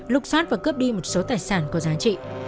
lục xoát và cướp đi một số tài sản có giá trị